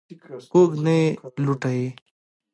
کوږ نه یې لوټه یې.